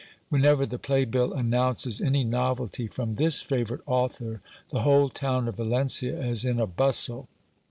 Whenever the play bill announces any novelty from this favourite author, the whole town of Valencia is in a bustle.